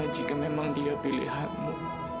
dan jika memang dia pilih hatimu